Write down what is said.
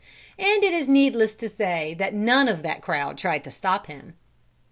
And it is needless to say that none of that crowd tried to stop him.